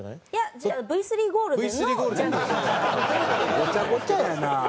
ごちゃごちゃやな。